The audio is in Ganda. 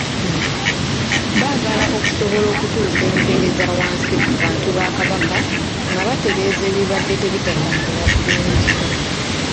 Baagala okusobola okutuusa empeereza wansi ku bantu ba Kabaka nga batereeza ebibadde bitatambula bulungi.